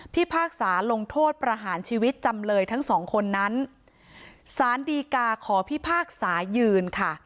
พากษาลงโทษประหารชีวิตจำเลยทั้งสองคนนั้นสารดีกาขอพิพากษายืนค่ะ